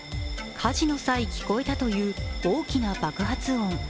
火事の際、聞こえたという大きな爆発音。